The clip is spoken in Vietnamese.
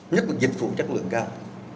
nhất là dịch vụ chất lượng cao